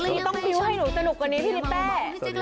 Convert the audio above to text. หรือการต้องให้หนูสนุกกว่านี้พี่นิตเต้